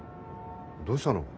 どうしたの？